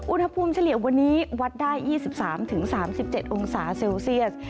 เฉลี่ยวันนี้วัดได้๒๓๓๗องศาเซลเซียส